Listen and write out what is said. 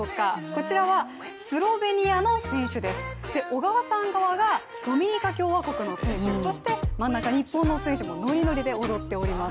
こちらはスロベニアの選手小川さん側がドミニカ共和国の選手、そして真ん中、日本の選手がノリノリで踊っております。